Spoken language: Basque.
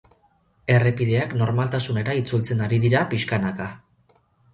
Errepideak normaltasunera itzultzen ari dira pixkanaka.